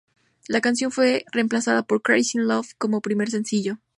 La canción fue reemplazada por "Crazy in Love" como primer sencillo.